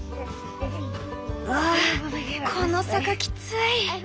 わあこの坂きつい。